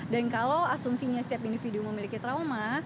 dan kalau asumsinya setiap individu memiliki trauma